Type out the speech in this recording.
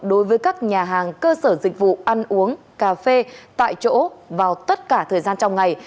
đối với các nhà hàng cơ sở dịch vụ ăn uống cà phê tại chỗ vào tất cả thời gian trong ngày